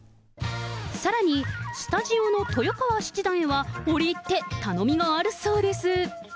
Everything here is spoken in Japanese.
さらにスタジオの豊川七段へは、折り入って頼みがあるそうです。